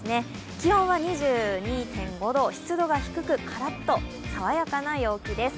気温は２２．５度、湿度が低くカラッと爽やかな陽気です。